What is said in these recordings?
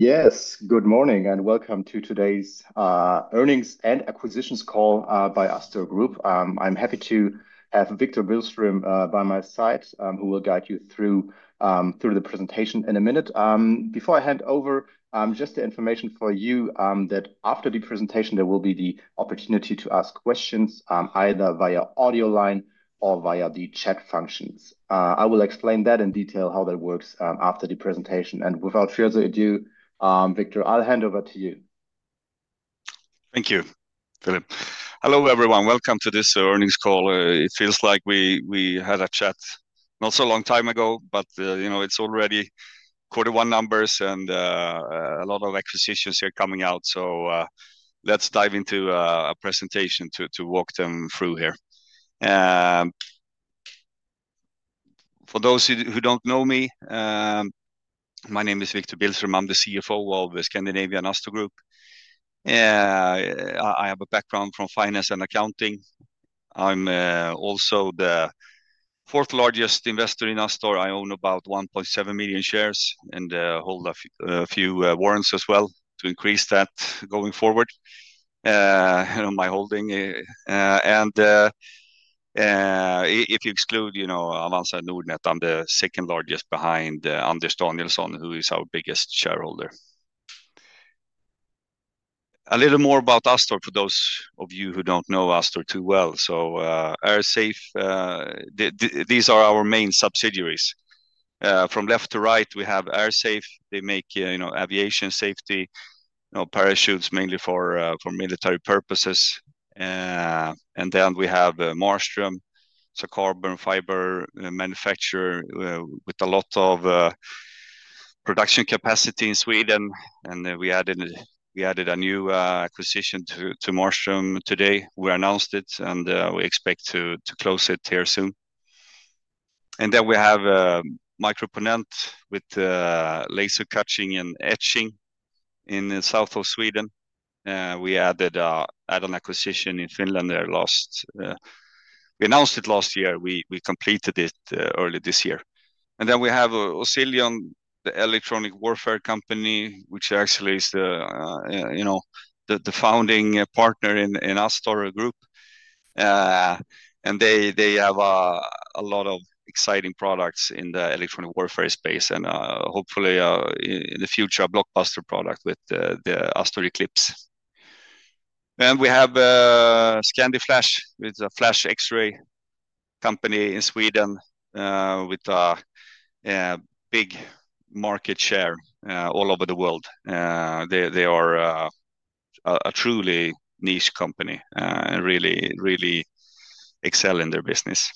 Yes, good morning, and welcome to today's Earnings and Acquisitions Call by Scandinavian Astor Group. I'm happy to have Wictor Billström by my side, who will guide you through the presentation in a minute. Before I hand over, just the information for you that after the presentation, there will be the opportunity to ask questions either via audio line or via the chat functions. I will explain that in detail how that works after the presentation. Without further ado, Wictor, I'll hand over to you. Thank you, Philip. Hello everyone, welcome to this earnings call. It feels like we had a chat not so long time ago, but it's already quarter one numbers and a lot of acquisitions here coming out. Let's dive into a presentation to walk them through here. For those who don't know me, my name is Wictor Billström. I'm the CFO of the Scandinavian Astor Group. I have a background from finance and accounting. I'm also the fourth largest investor in Astor. I own about 1.7 million shares and hold a few warrants as well to increase that going forward in my holding. If you exclude Avanza Nordnet, I'm the second largest behind Anders Danielsson, who is our biggest shareholder. A little more about Astor for those of you who don't know Astor too well. AirSafe, these are our main subsidiaries. From left to right, we have AirSafe. They make aviation safety parachutes mainly for military purposes. We have Marstrom, it's a carbon fiber manufacturer with a lot of production capacity in Sweden. We added a new acquisition to Marstrom today. We announced it and we expect to close it here soon. We have Microponent with laser cutting and etching in the south of Sweden. We added an acquisition in Finland last. We announced it last year. We completed it early this year. We have Osilion, the electronic warfare company, which actually is the founding partner in Astor Group. They have a lot of exciting products in the electronic warfare space and hopefully in the future a blockbuster product with the Astor Eclipse. We have Scandi Flash with a flash X-ray company in Sweden with a big market share all over the world. They are a truly niche company and really excel in their business.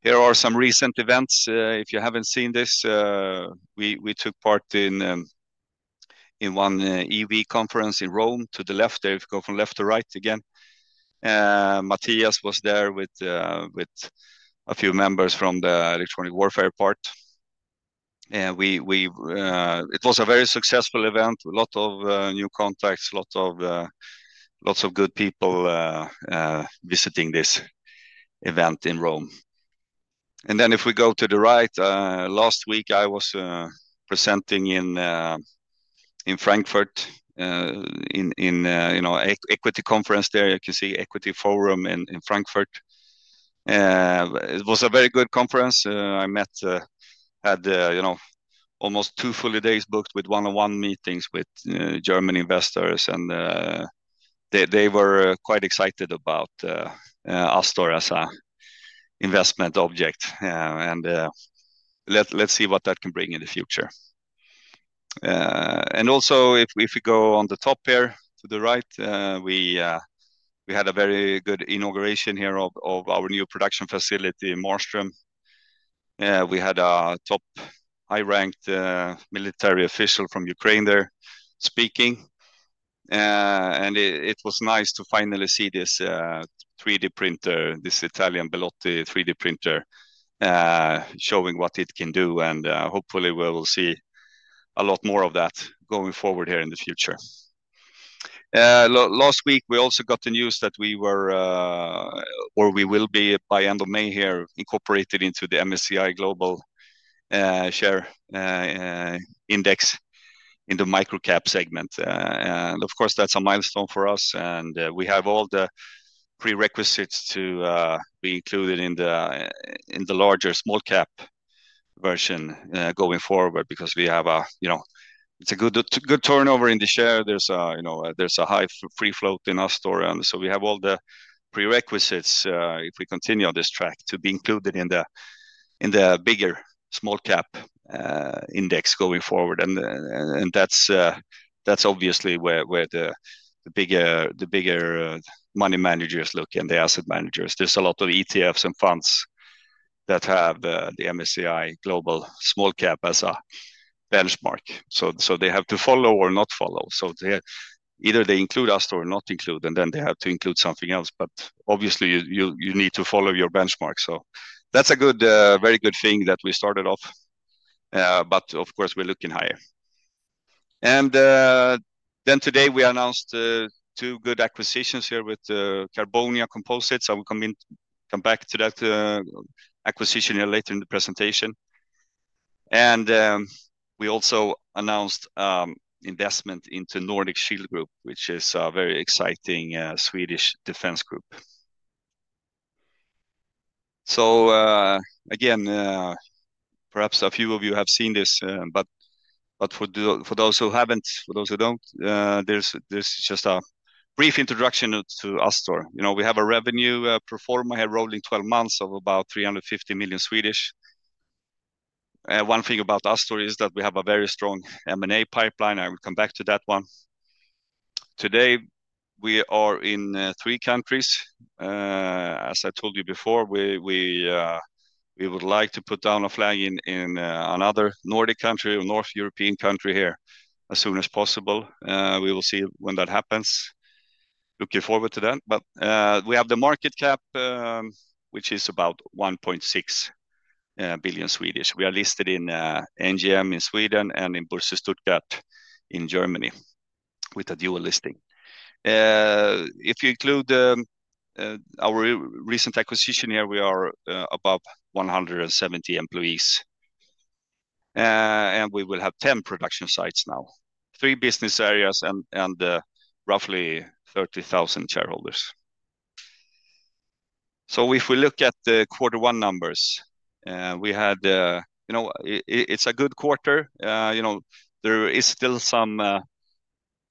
Here are some recent events. If you have not seen this, we took part in one EV conference in Rome. To the left, if you go from left to right again, Mattias was there with a few members from the electronic warfare part. It was a very successful event, a lot of new contacts, lots of good people visiting this event in Rome. If we go to the right, last week I was presenting in Frankfurt in an equity conference there. You can see Equity Forum in Frankfurt. It was a very good conference. I met, had almost two full days booked with one-on-one meetings with German investors. They were quite excited about Astor as an investment object. Let's see what that can bring in the future. If we go on the top here to the right, we had a very good inauguration here of our new production facility in Marstrom. We had a top high-ranked military official from Ukraine there speaking. It was nice to finally see this 3D printer, this Italian Bellotti 3D printer showing what it can do. Hopefully we will see a lot more of that going forward here in the future. Last week we also got the news that we were, or we will be by end of May here, incorporated into the MSCI Global Share Index in the micro cap segment. Of course that's a milestone for us. We have all the prerequisites to be included in the larger small cap version going forward because we have a, it's a good turnover in the share. There's a high free float in Astor. We have all the prerequisites if we continue on this track to be included in the bigger small cap index going forward. That is obviously where the bigger money managers look and the asset managers. There are a lot of ETFs and funds that have the MSCI Global Small Cap as a benchmark. They have to follow or not follow. Either they include Astor or not include, and then they have to include something else. Obviously you need to follow your benchmark. That is a very good thing that we started off. Of course we are looking higher. Today we announced two good acquisitions here with Carbonia Composites. I will come back to that acquisition later in the presentation. We also announced investment into Nordic Shield Group, which is a very exciting Swedish defense group. Again, perhaps a few of you have seen this, but for those who have not, for those who do not, there is just a brief introduction to Astor. We have a revenue pro forma here rolling 12 months of about 350 million. One thing about Astor is that we have a very strong M&A pipeline. I will come back to that one. Today we are in three countries. As I told you before, we would like to put down a flag in another Nordic country or North European country here as soon as possible. We will see when that happens. Looking forward to that. We have the market cap, which is about 1.6 billion. We are listed in NGM in Sweden and in Boerse Stuttgart in Germany with a dual listing. If you include our recent acquisition here, we are above 170 employees. We will have 10 production sites now, three business areas, and roughly 30,000 shareholders. If we look at the quarter one numbers, we had, it's a good quarter. There is still some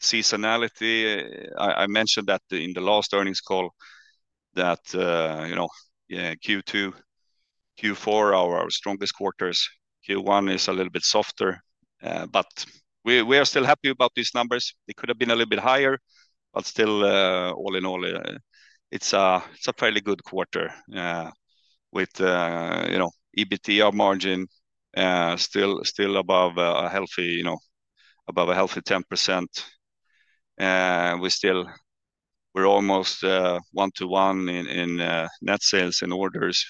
seasonality. I mentioned that in the last earnings call that Q2 and Q4 are our strongest quarters. Q1 is a little bit softer, but we are still happy about these numbers. They could have been a little bit higher, but still all in all, it's a fairly good quarter with EBITDA margin still above a healthy 10%. We're almost one to one in net sales and orders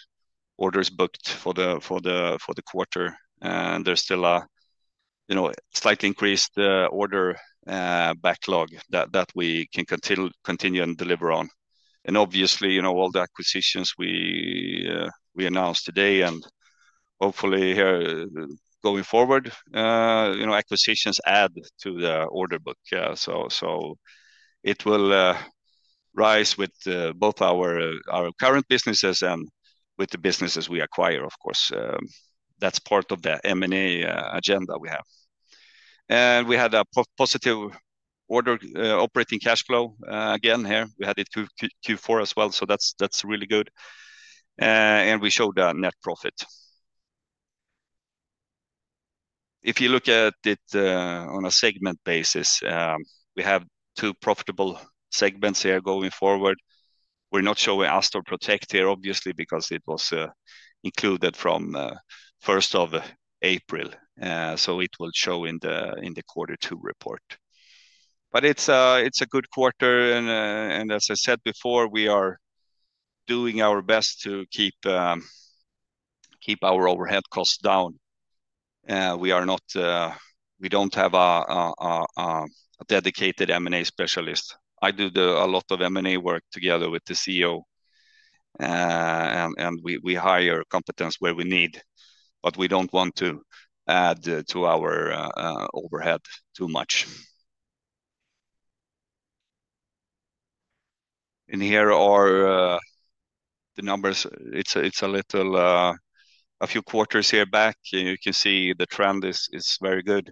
booked for the quarter. There is still a slightly increased order backlog that we can continue and deliver on. Obviously, all the acquisitions we announced today and hopefully here going forward, acquisitions add to the order book. It will rise with both our current businesses and with the businesses we acquire, of course. That is part of the M&A agenda we have. We had a positive order operating cash flow again here. We had it in Q4 as well. That is really good. We showed a net profit. If you look at it on a segment basis, we have two profitable segments here going forward. We are not showing Astor Protect here, obviously, because it was included from 1st of April. It will show in the quarter two report. It is a good quarter. As I said before, we are doing our best to keep our overhead costs down. We do not have a dedicated M&A specialist. I do a lot of M&A work together with the CEO. We hire competence where we need, but we do not want to add to our overhead too much. Here are the numbers. It's a few quarters here back. You can see the trend is very good.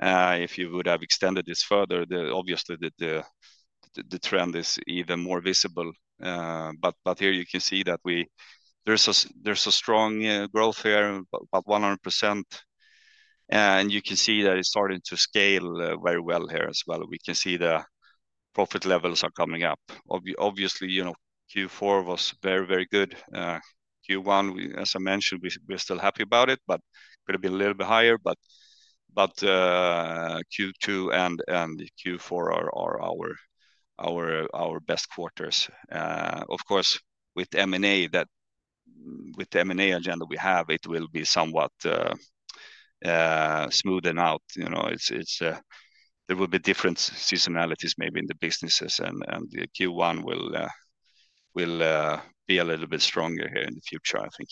If you would have extended this further, obviously the trend is even more visible. You can see that there's a strong growth here, about 100%. You can see that it's starting to scale very well here as well. We can see the profit levels are coming up. Obviously, Q4 was very, very good. Q1, as I mentioned, we're still happy about it, but it could have been a little bit higher. Q2 and Q4 are our best quarters. Of course, with M&A, with the M&A agenda we have, it will be somewhat smoothened out. There will be different seasonalities maybe in the businesses. Q1 will be a little bit stronger here in the future, I think.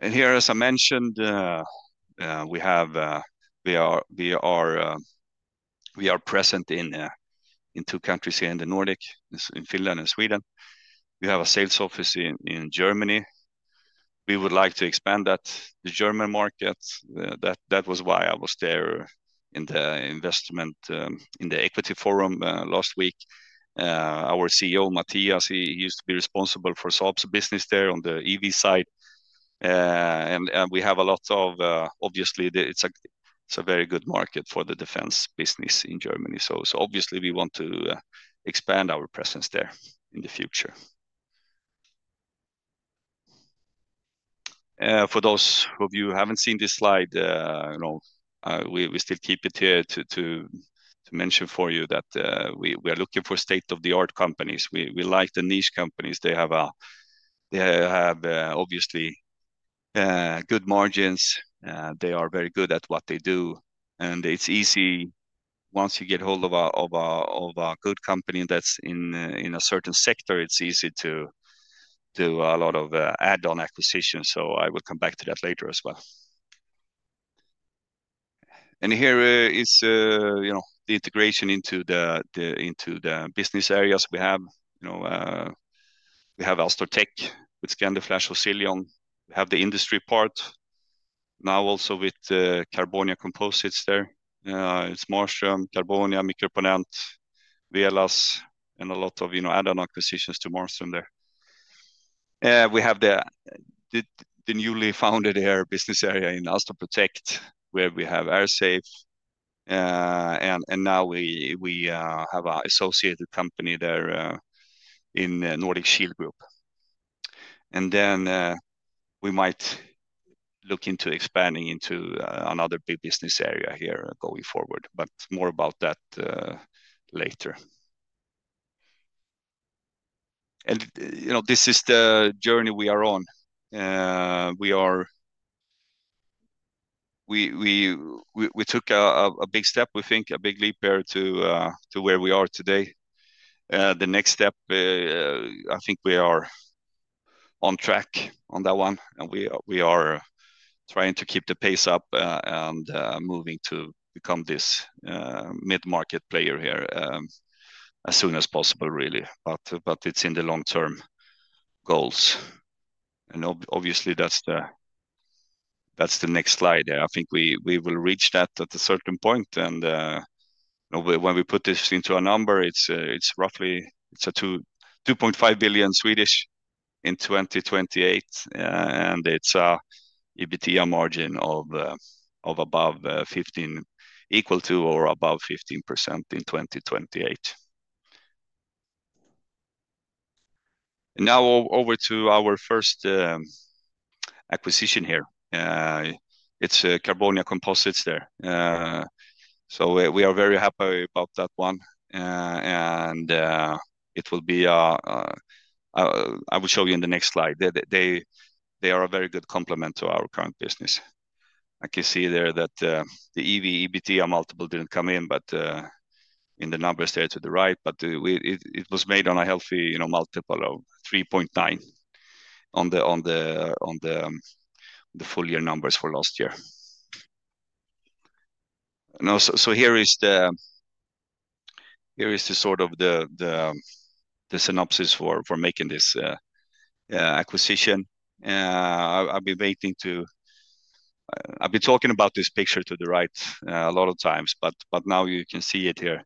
As I mentioned, we are present in two countries here in the Nordic, in Finland and Sweden. We have a sales office in Germany. We would like to expand that to the German market. That was why I was there in the investment in the Equity Forum last week. Our CEO, Mattias, he used to be responsible for SOPS business there on the EV side. We have a lot of, obviously, it's a very good market for the defense business in Germany. Obviously we want to expand our presence there in the future. For those of you who have not seen this slide, we still keep it here to mention for you that we are looking for state-of-the-art companies. We like the niche companies. They have obviously good margins. They are very good at what they do. It is easy once you get hold of a good company that is in a certain sector, it is easy to do a lot of add-on acquisitions. I will come back to that later as well. Here is the integration into the business areas we have. We have Astor Tech with Scandi Flash and Osilion. We have the industry part now also with Carbonia Composites there. It is Marstrom, Carbonia, Microponent, Velas, and a lot of add-on acquisitions to Marstrom there. We have the newly founded business area in Astor Protect, where we have AirSafe. Now we have an associated company there in Nordic Shield Group. We might look into expanding into another big business area here going forward, but more about that later. This is the journey we are on. We took a big step, we think, a big leap here to where we are today. The next step, I think we are on track on that one. We are trying to keep the pace up and moving to become this mid-market player here as soon as possible, really. It is in the long-term goals. Obviously, that is the next slide there. I think we will reach that at a certain point. When we put this into a number, it is roughly 2.5 billion in 2028. It is an EBITDA margin of above 15%, equal to or above 15% in 2028. Now over to our first acquisition here. It is Carbonia Composites there. We are very happy about that one. I will show you in the next slide. They are a very good complement to our current business. I can see there that the EV/EBITDA multiple did not come in, but in the numbers there to the right. It was made on a healthy multiple of 3.9 on the full year numbers for last year. Here is the sort of the synopsis for making this acquisition. I've been waiting to, I've been talking about this picture to the right a lot of times, but now you can see it here.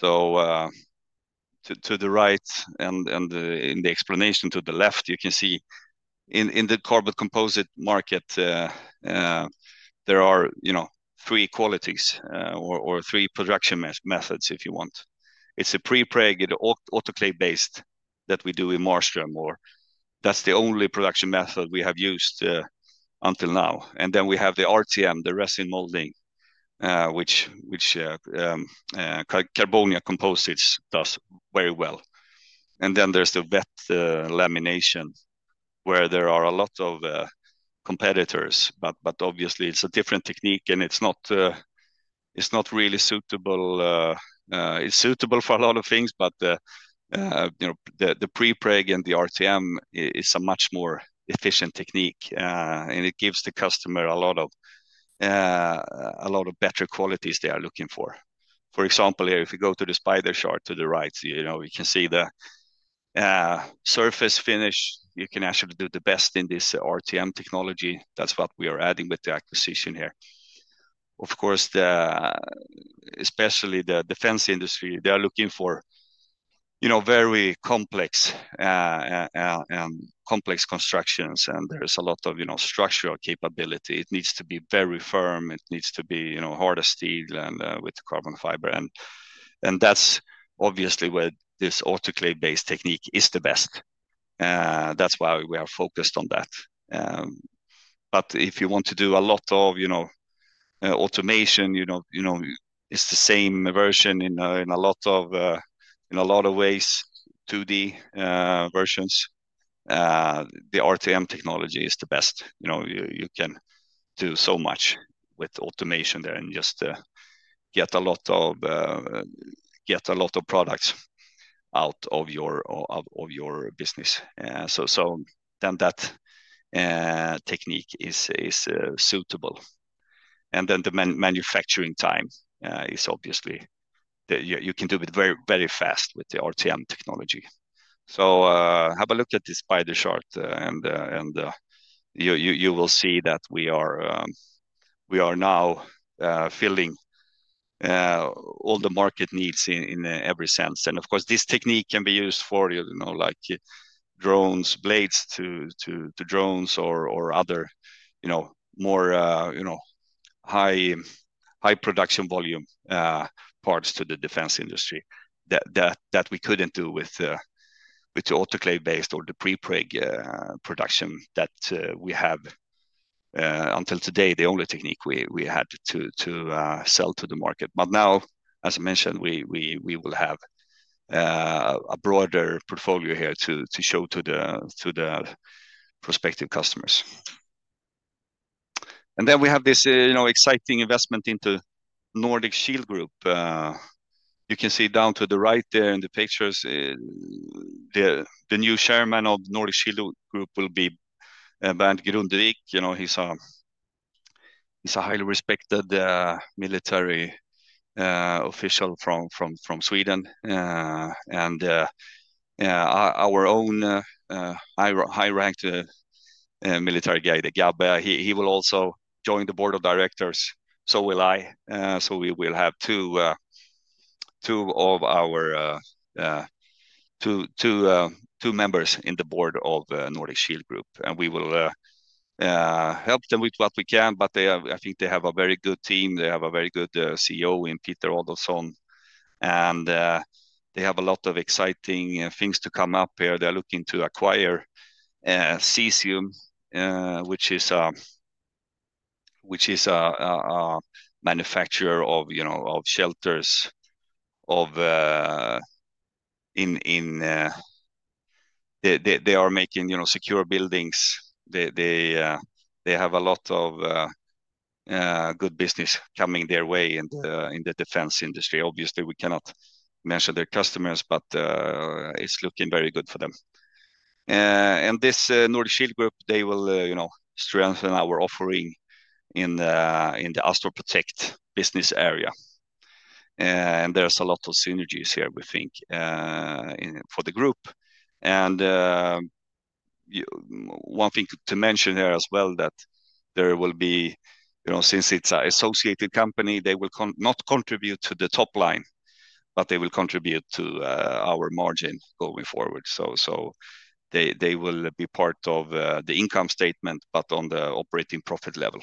To the right and in the explanation to the left, you can see in the carbon composite market, there are three qualities or three production methods, if you want. It's a pre-preg, autoclave based that we do in Marstrom, or that's the only production method we have used until now. Then we have the RTM, the resin transfer molding, which Carbonia Composites does very well. Then there's the wet lamination, where there are a lot of competitors, but obviously it's a different technique and it's not really suitable. It's suitable for a lot of things, but the pre-preg and the RTM is a much more efficient technique. It gives the customer a lot of better qualities they are looking for. For example, if you go to the spider chart to the right, you can see the surface finish. You can actually do the best in this RTM technology. That's what we are adding with the acquisition here. Of course, especially the defense industry, they are looking for very complex constructions. There is a lot of structural capability. It needs to be very firm. It needs to be harder steel and with carbon fiber. That's obviously where this autoclave-based technique is the best. That's why we are focused on that. If you want to do a lot of automation, it's the same version in a lot of ways, 2D versions. The RTM technology is the best. You can do so much with automation there and just get a lot of products out of your business. That technique is suitable. The manufacturing time is obviously that you can do it very fast with the RTM technology. Have a look at this spider chart. You will see that we are now filling all the market needs in every sense. Of course, this technique can be used for drones, blades to drones, or other more high production volume parts to the defense industry that we could not do with the autoclave-based or the pre-preg production that we have until today, the only technique we had to sell to the market. Now, as I mentioned, we will have a broader portfolio here to show to the prospective customers. We have this exciting investment into Nordic Shield Group. You can see down to the right there in the pictures, the new Chairman of Nordic Shield Group will be Bernd Grundvik. He is a highly respected military official from Sweden. Our own high-ranked military guy, Gabe, will also join the Board of Directors. I will as well. We will have two of our members in the board of Nordic Shield Group. We will help them with what we can, but I think they have a very good team. They have a very good CEO in Peter Alderson. They have a lot of exciting things to come up here. They are looking to acquire Cesium, which is a manufacturer of shelters. They are making secure buildings. They have a lot of good business coming their way in the defense industry. Obviously, we cannot mention their customers, but it's looking very good for them. This Nordic Shield Group will strengthen our offering in the Astor Protect business area. There are a lot of synergies here, we think, for the group. One thing to mention here as well is that since it's an associated company, they will not contribute to the top line, but they will contribute to our margin going forward. They will be part of the income statement, but on the operating profit level.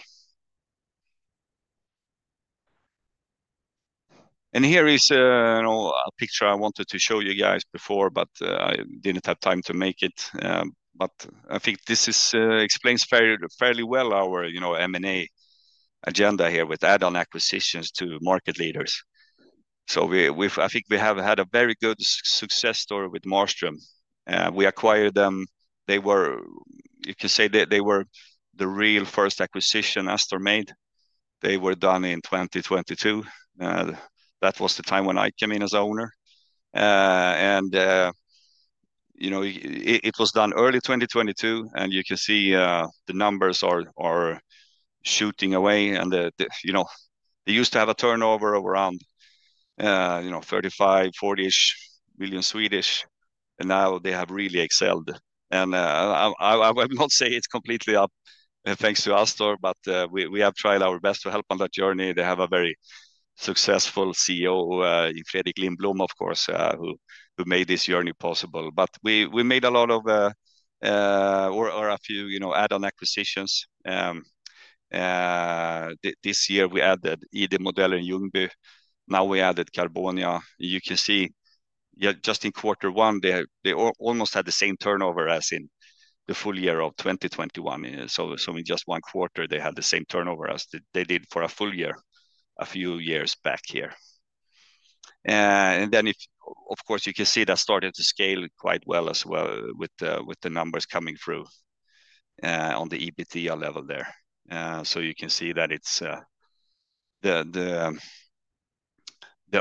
Here is a picture I wanted to show you guys before, but I didn't have time to make it. I think this explains fairly well our M&A agenda here with add-on acquisitions to market leaders. I think we have had a very good success story with Marstrom. We acquired them. You can say they were the real first acquisition Astor made. They were done in 2022. That was the time when I came in as owner. It was done early 2022. You can see the numbers are shooting away. They used to have a turnover of around 35 million-40 million Swedish. Now they have really excelled. I will not say it is completely up thanks to Astor, but we have tried our best to help on that journey. They have a very successful CEO, Fredrik Lindblom, of course, who made this journey possible. We made a lot of or a few add-on acquisitions. This year we added ID Modeller Ljungby. Now we added Carbonia. You can see just in quarter one, they almost had the same turnover as in the full year of 2021. In just one quarter, they had the same turnover as they did for a full year a few years back here. Of course, you can see that started to scale quite well as well with the numbers coming through on the EBITDA level there. You can see that the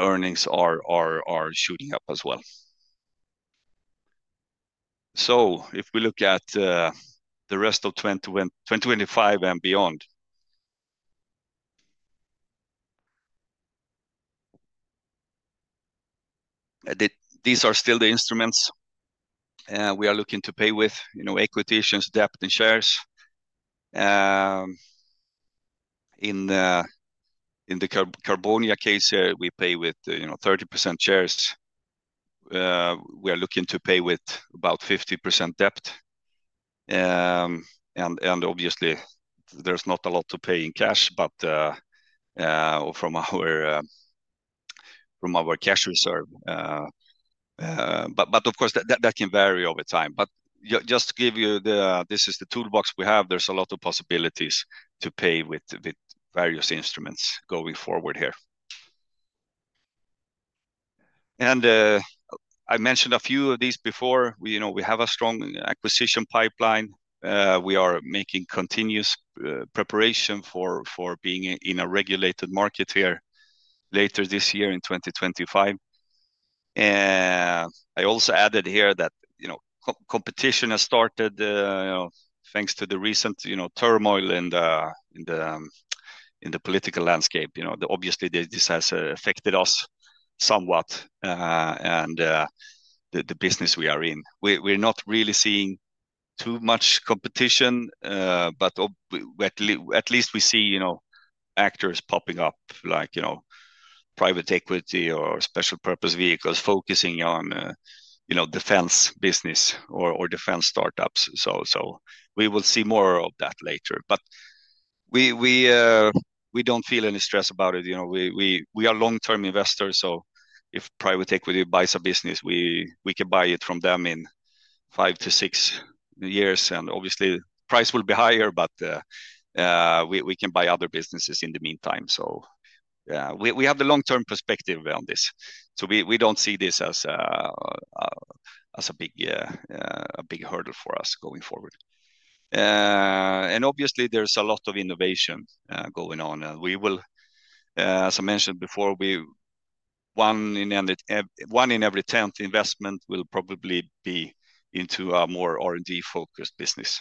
earnings are shooting up as well. If we look at the rest of 2025 and beyond, these are still the instruments we are looking to pay with: equities, debt, and shares. In the Carbonia case here, we pay with 30% shares. We are looking to pay with about 50% debt. Obviously, there is not a lot to pay in cash from our cash reserve. Of course, that can vary over time. Just to give you, this is the toolbox we have. There are a lot of possibilities to pay with various instruments going forward here. I mentioned a few of these before. We have a strong acquisition pipeline. We are making continuous preparation for being in a regulated market here later this year in 2025. I also added here that competition has started thanks to the recent turmoil in the political landscape. Obviously, this has affected us somewhat and the business we are in. We're not really seeing too much competition, but at least we see actors popping up like private equity or special purpose vehicles focusing on defense business or defense startups. We will see more of that later. We do not feel any stress about it. We are long-term investors. If private equity buys a business, we can buy it from them in five to six years. Obviously, the price will be higher, but we can buy other businesses in the meantime. We have the long-term perspective on this. We do not see this as a big hurdle for us going forward. Obviously, there is a lot of innovation going on. We will, as I mentioned before, one in every ten investments will probably be into a more R&D-focused business.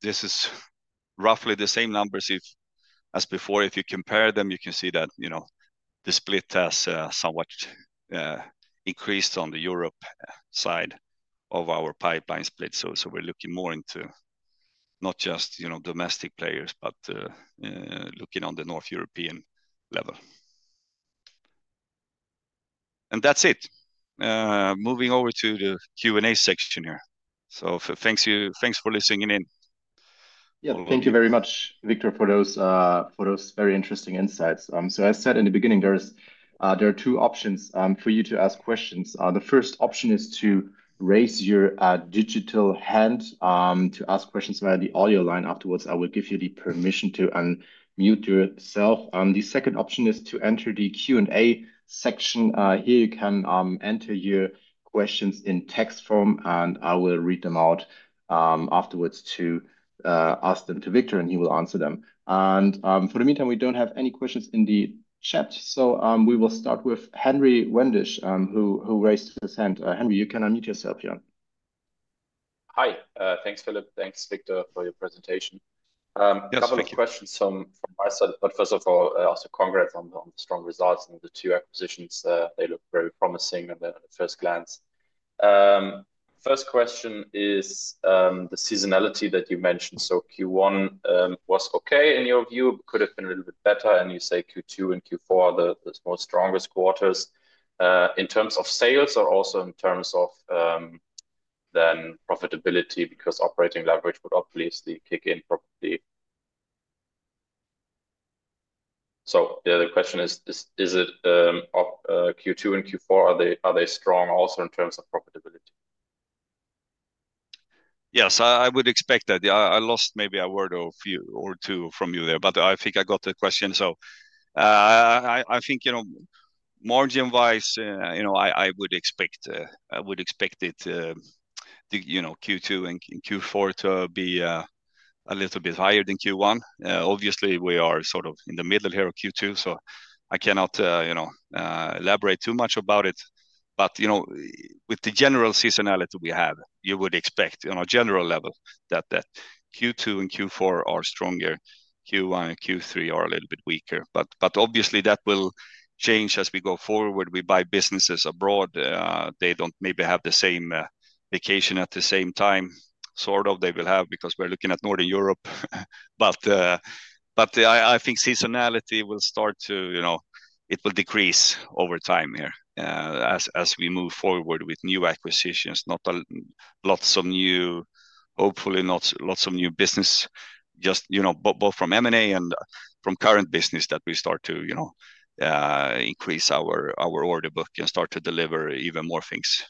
This is roughly the same numbers as before. If you compare them, you can see that the split has somewhat increased on the Europe side of our pipeline split. We are looking more into not just domestic players, but looking on the North European level. That is it. Moving over to the Q&A section here. Thanks for listening in. Thank you very much, Wictor, for those very interesting insights. As I said in the beginning, there are two options for you to ask questions. The first option is to raise your digital hand to ask questions via the audio line. Afterwards, I will give you the permission to unmute yourself. The second option is to enter the Q&A section. Here you can enter your questions in text form, and I will read them out afterwards to ask them to Wictor, and he will answer them. For the meantime, we do not have any questions in the chat. We will start with Henry Wendish, who raised his hand. Henry, you can unmute yourself here. Hi. Thanks, Philip. Thanks, Wictor, for your presentation. A couple of questions from my side. First of all, I also congrats on the strong results and the two acquisitions. They look very promising at first glance. First question is the seasonality that you mentioned. Q1 was okay in your view, could have been a little bit better. You say Q2 and Q4 are the most strongest quarters in terms of sales or also in terms of then profitability because operating leverage would obviously kick in properly. The question is, is it Q2 and Q4? Are they strong also in terms of profitability? Yes, I would expect that. I lost maybe a word or two from you there, but I think I got the question. I think margin-wise, I would expect Q2 and Q4 to be a little bit higher than Q1. Obviously, we are sort of in the middle here of Q2, so I cannot elaborate too much about it. With the general seasonality we have, you would expect on a general level that Q2 and Q4 are stronger. Q1 and Q3 are a little bit weaker. Obviously, that will change as we go forward. We buy businesses abroad. They do not maybe have the same vacation at the same time, sort of. They will have because we are looking at Northern Europe. I think seasonality will start to decrease over time here as we move forward with new acquisitions, not lots of new, hopefully not lots of new business, just both from M&A and from current business that we start to increase our order book and start to deliver even more things.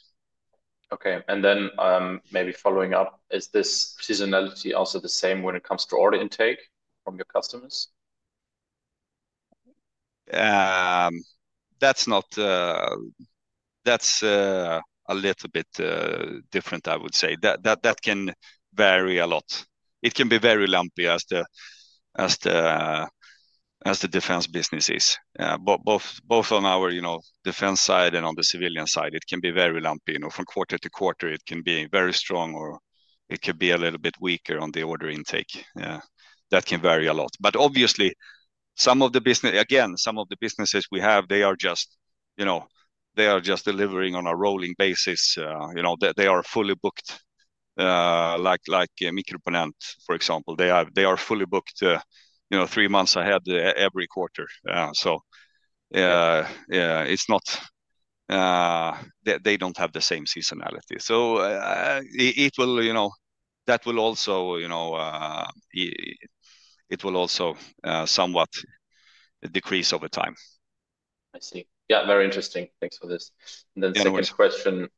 Okay. Maybe following up, is this seasonality also the same when it comes to order intake from your customers? That is a little bit different, I would say. That can vary a lot. It can be very lumpy as the defense business is. Both on our defense side and on the civilian side, it can be very lumpy. From quarter to quarter, it can be very strong or it could be a little bit weaker on the order intake. That can vary a lot. Obviously, again, some of the businesses we have, they are just delivering on a rolling basis. They are fully booked like Mikroponent, for example. They are fully booked three months ahead every quarter. They do not have the same seasonality. That will also somewhat decrease over time. I see. Yeah, very interesting. Thanks for this. The second question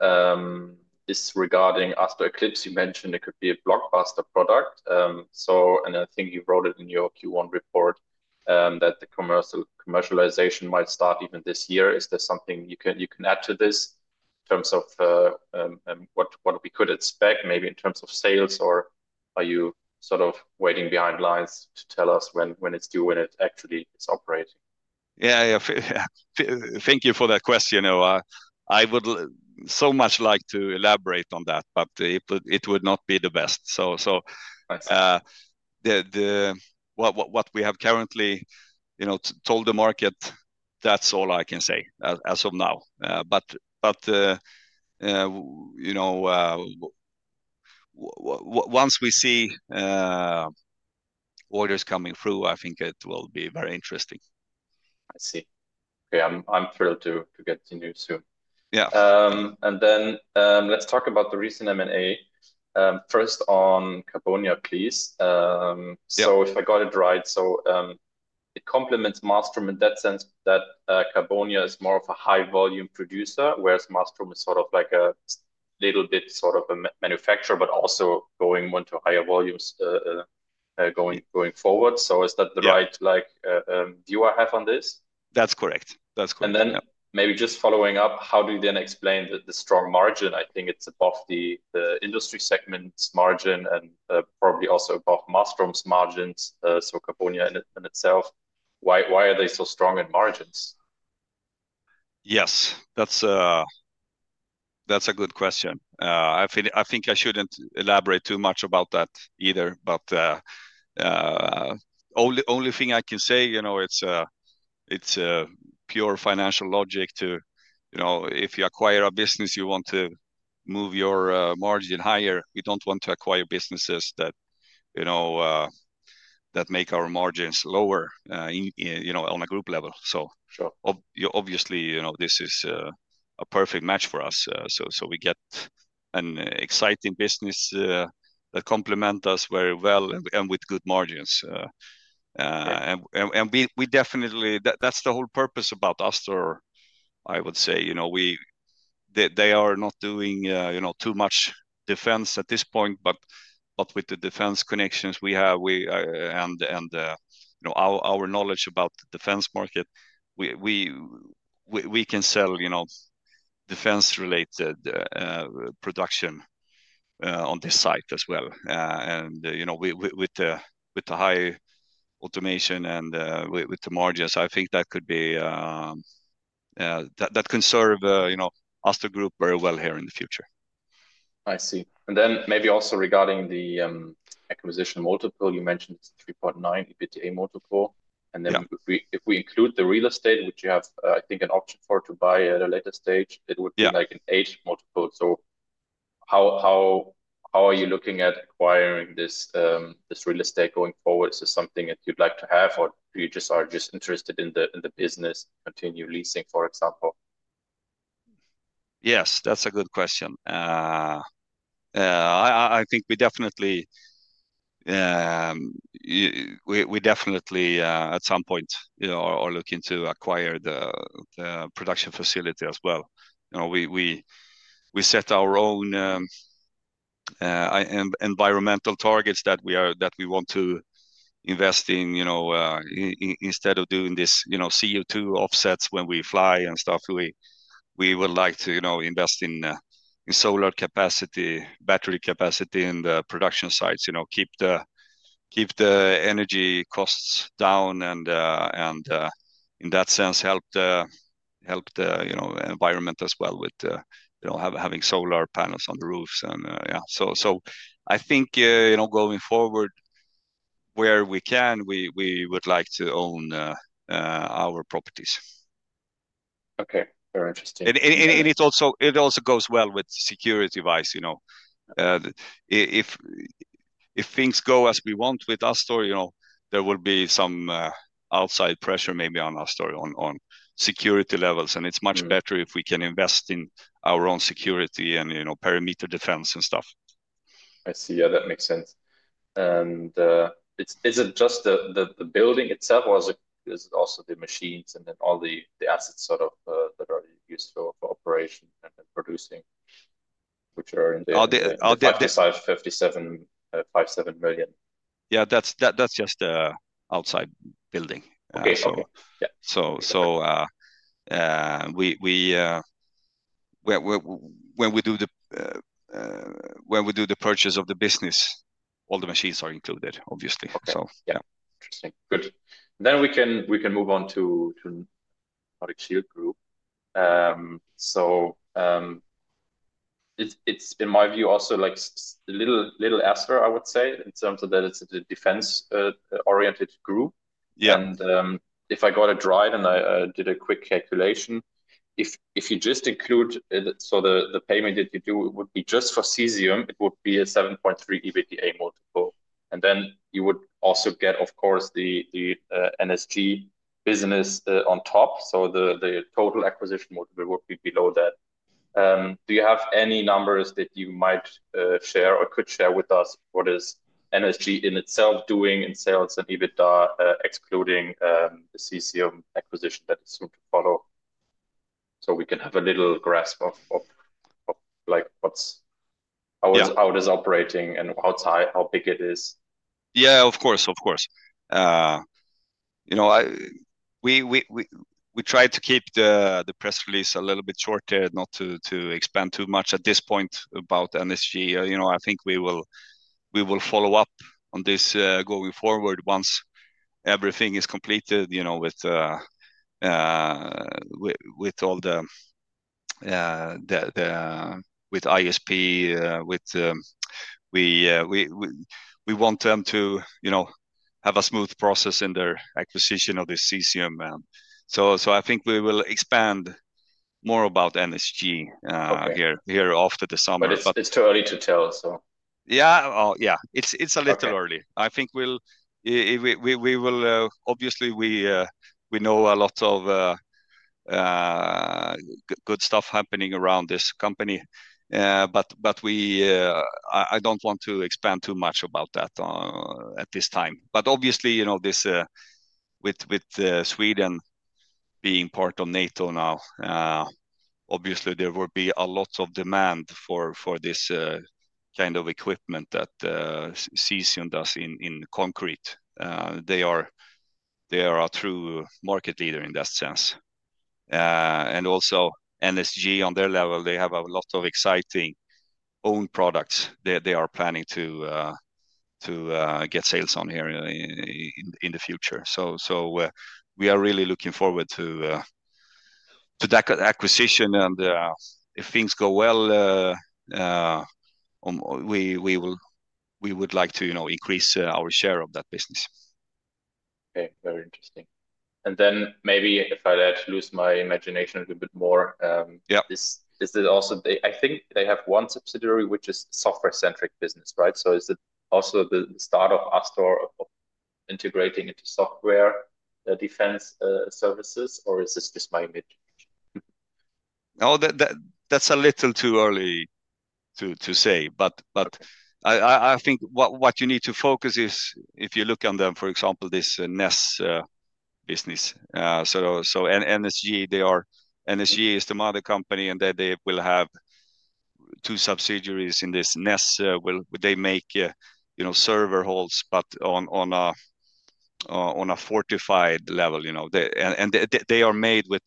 is regarding Astor Eclipse. You mentioned it could be a blockbuster product. I think you wrote it in your Q1 report that the commercialization might start even this year. Is there something you can add to this in terms of what we could expect maybe in terms of sales? Or are you sort of waiting behind lines to tell us when it is due when it actually is operating? Yeah, yeah. Thank you for that question. I would so much like to elaborate on that, but it would not be the best. What we have currently told the market, that is all I can say as of now. Once we see orders coming through, I think it will be very interesting. I see. Okay. I am thrilled to get to know you soon. Let us talk about the recent M&A. First on Carbonia, please. If I got it right, it complements Marstrom in that sense that Carbonia is more of a high-volume producer, whereas Marstrom is sort of like a little bit sort of a manufacturer, but also going on to higher volumes going forward. Is that the right view I have on this? That is correct. That's correct. Maybe just following up, how do you then explain the strong margin? I think it's above the industry segment's margin and probably also above Marstrom's margins, so Carbonia in itself. Why are they so strong in margins? Yes, that's a good question. I think I shouldn't elaborate too much about that either. The only thing I can say, it's pure financial logic to if you acquire a business, you want to move your margin higher. We don't want to acquire businesses that make our margins lower on a group level. Obviously, this is a perfect match for us. We get an exciting business that complements us very well and with good margins. That's the whole purpose about Astor, I would say. They are not doing too much defense at this point, but with the defense connections we have and our knowledge about the defense market, we can sell defense-related production on this site as well. With the high automation and with the margins, I think that could serve Astor Group very well here in the future. I see. Maybe also regarding the acquisition multiple, you mentioned it's 3.9 EBITDA multiple. If we include the real estate, which you have, I think, an option for to buy at a later stage, it would be like an eight multiple. How are you looking at acquiring this real estate going forward? Is this something that you'd like to have, or are you just interested in the business, continue leasing, for example? Yes, that's a good question. I think we definitely at some point are looking to acquire the production facility as well. We set our own environmental targets that we want to invest in instead of doing these CO2 offsets when we fly and stuff. We would like to invest in solar capacity, battery capacity in the production sites, keep the energy costs down, and in that sense, help the environment as well with having solar panels on the roofs. Yeah, I think going forward, where we can, we would like to own our properties. Okay. Very interesting. It also goes well with security-wise. If things go as we want with Astor, there will be some outside pressure maybe on Astor on security levels. It is much better if we can invest in our own security and perimeter defense and stuff. I see. Yeah, that makes sense. Is it just the building itself or is it also the machines and then all the assets that are used for operation and producing, which are in the 57 million? Yeah, that's just the outside building. Okay. When we do the purchase of the business, all the machines are included, obviously. Yeah. Interesting. Good. We can move on to Nordic Shield Group. It is, in my view, also a little Astor, I would say, in terms of that it is a defense-oriented group. If I got it right and I did a quick calculation, if you just include the payment that you do just for Cesium, it would be a 7.3 EBITDA multiple. You would also get, of course, the NSG business on top. The total acquisition multiple would be below that. Do you have any numbers that you might share or could share with us what is NSG in itself doing in sales and EBITDA, excluding the Cesium acquisition that is soon to follow? So we can have a little grasp of how it is operating and how big it is. Yeah, of course, of course. We tried to keep the press release a little bit shorter, not to expand too much at this point about NSG. I think we will follow up on this going forward once everything is completed with all the with ISP. We want them to have a smooth process in their acquisition of the Cesium. I think we will expand more about NSG here after the summer. It is too early to tell, so. Yeah. Yeah. It is a little early. I think we will obviously, we know a lot of good stuff happening around this company. I do not want to expand too much about that at this time. Obviously, with Sweden being part of NATO now, there will be a lot of demand for this kind of equipment that Cesium does in concrete. They are a true market leader in that sense. Also, NSG on their level, they have a lot of exciting owned products they are planning to get sales on here in the future. We are really looking forward to that acquisition. If things go well, we would like to increase our share of that business. Okay. Very interesting. Maybe if I let loose my imagination a little bit more, is it also, I think they have one subsidiary, which is a software-centric business, right? Is it also the start of Astor integrating into software defense services, or is this just my image? No, that's a little too early to say. I think what you need to focus on is if you look at them, for example, this NES business. NSG is the mother company, and they will have two subsidiaries in this NES. They make server halls, but on a fortified level. They are made with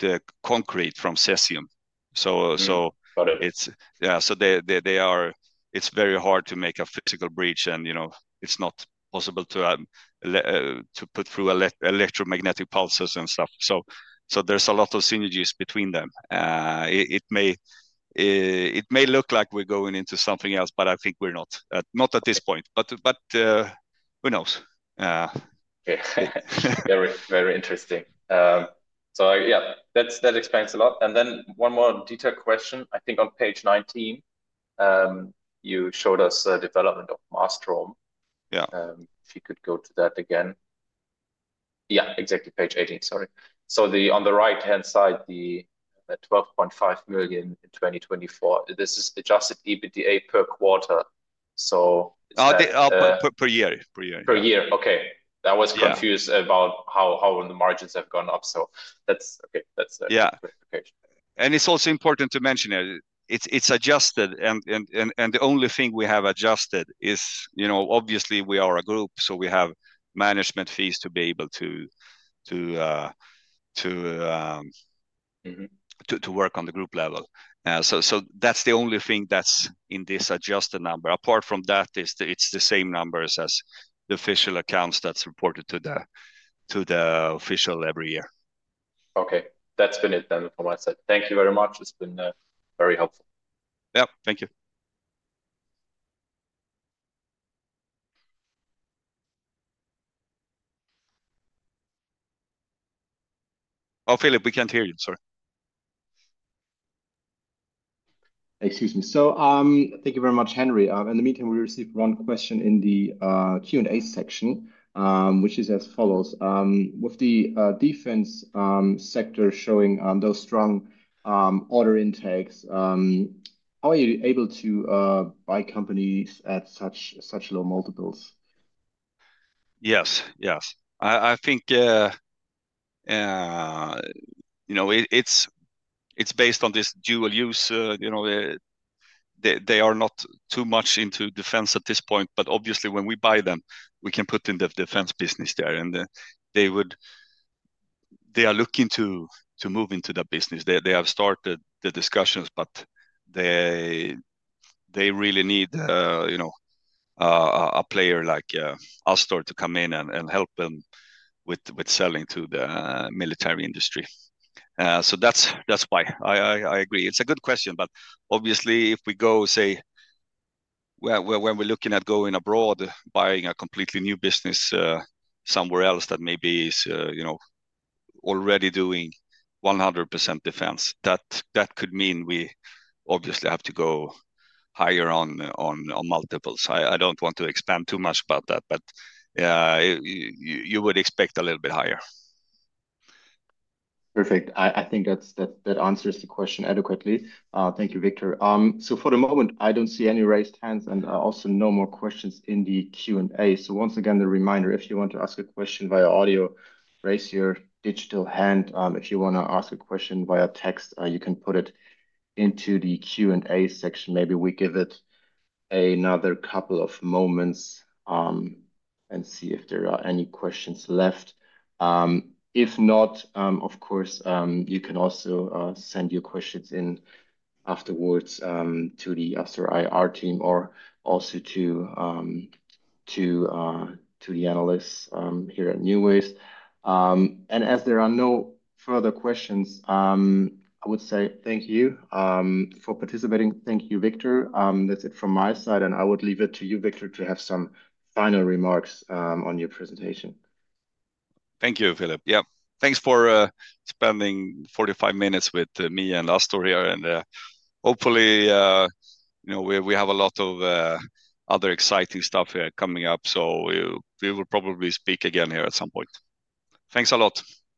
the concrete from Cesium. It is very hard to make a physical breach, and it is not possible to put through electromagnetic pulses and stuff. There are a lot of synergies between them. It may look like we are going into something else, but I think we are not at this point. Who knows? Very, very interesting. That explains a lot. One more detailed question. I think on page 19, you showed us the development of Marstrom. If you could go to that again. Yeah, exactly. Page 18, sorry. On the right-hand side, the 12.5 million in 2024, this is adjusted EBITDA per quarter. It's not. Per year. Per year. Per year. Okay. I was confused about how the margins have gone up. That's okay. That's the clarification. Yeah. It's also important to mention it. It's adjusted. The only thing we have adjusted is, obviously, we are a group, so we have management fees to be able to work on the group level. That's the only thing that's in this adjusted number. Apart from that, it's the same numbers as the official accounts that's reported to the official every year. Okay. That's been it then from my side. Thank you very much. It's been very helpful. Yeah. Thank you. Oh, Philip, we can't hear you. Sorry. Excuse me. Thank you very much, Henry. In the meantime, we received one question in the Q&A section, which is as follows. With the defense sector showing those strong order intakes, how are you able to buy companies at such low multiples? Yes. Yes. I think it's based on this dual use. They are not too much into defense at this point, but obviously, when we buy them, we can put in the defense business there. They are looking to move into that business. They have started the discussions, but they really need a player like Astor to come in and help them with selling to the military industry. That is why I agree. It's a good question, but obviously, if we go, say, when we're looking at going abroad, buying a completely new business somewhere else that maybe is already doing 100% defense, that could mean we obviously have to go higher on multiples. I don't want to expand too much about that, but you would expect a little bit higher. Perfect. I think that answers the question adequately. Thank you, Wictor. For the moment, I don't see any raised hands and also no more questions in the Q&A. Once again, the reminder, if you want to ask a question via audio, raise your digital hand. If you want to ask a question via text, you can put it into the Q&A section. Maybe we give it another couple of moments and see if there are any questions left. If not, of course, you can also send your questions in afterwards to the Astor IR team or also to the analysts here at Newways. As there are no further questions, I would say thank you for participating. Thank you, Wictor. That's it from my side. I would leave it to you, Wictor, to have some final remarks on your presentation. Thank you, Philip. Yeah. Thanks for spending 45 minutes with me and Astor here. Hopefully, we have a lot of other exciting stuff here coming up, so we will probably speak again here at some point. Thanks a lot.